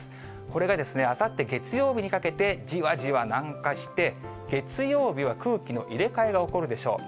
これがあさって月曜日にかけて、じわじわ南下して、月曜日は空気の入れ替えが起こるでしょう。